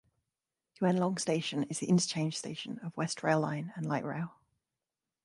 Yuen Long Station is the interchange station of West Rail Line and Light Rail.